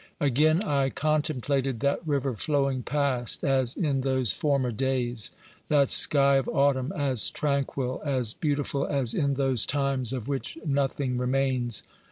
Again I contem plated that river flowing past as in those former days ; that sky of autumn, as tranquil, as beautiful as in those times of which nothing remains.